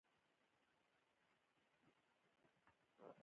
ازادي راډیو د اقلیتونه لپاره عامه پوهاوي لوړ کړی.